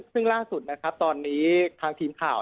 ซึ่งล่าสุดนะครับตอนนี้ทางทีมข่าว